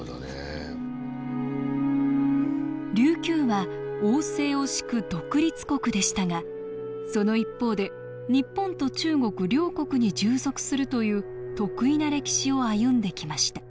琉球は王制を敷く独立国でしたがその一方で日本と中国両国に従属するという特異な歴史を歩んできました